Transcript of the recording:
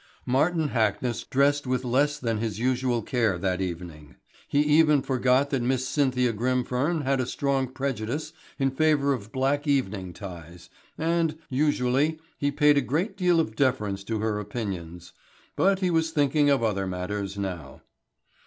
Martin Hackness dressed with less than his usual care that evening. He even forgot that Miss Cynthia Grimfern had a strong prejudice in favour of black evening ties, and, usually, he paid a great deal of deference to her opinions. But he was thinking of other matters now.